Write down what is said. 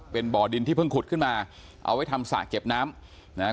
เป็นบ่อดินที่เพิ่งขุดขึ้นมาเอาไว้ทำสระเก็บน้ำนะฮะ